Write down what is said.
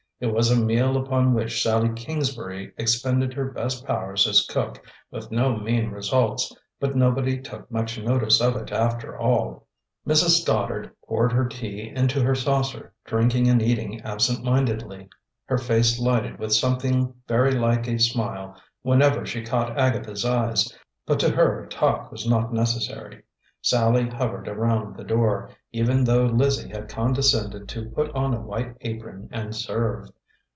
It was a meal upon which Sallie Kingsbury expended her best powers as cook, with no mean results; but nobody took much notice of it, after all. Mrs. Stoddard poured her tea into her saucer, drinking and eating absent mindedly. Her face lighted with something very like a smile whenever she caught Agatha's eyes, but to her talk was not necessary. Sallie hovered around the door, even though Lizzie had condescended to put on a white apron and serve.